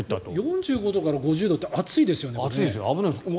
４５度から５０度って熱いですよね。